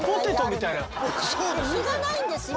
実がないんですよ。